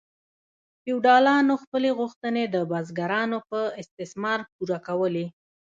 فیوډالانو خپلې غوښتنې د بزګرانو په استثمار پوره کولې.